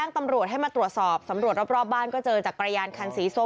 ตำรวจให้มาตรวจสอบสำรวจรอบบ้านก็เจอจักรยานคันสีส้ม